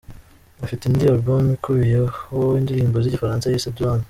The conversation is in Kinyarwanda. Afite indi album ikubiyeho indirimbo z’Igifaransa yise ‘Drame’.